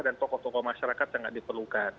dan tokoh tokoh masyarakat yang tidak diperlukan